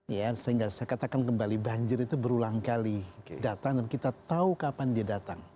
ya sehingga saya katakan kembali banjir itu berulang kali datang dan kita tahu kapan dia datang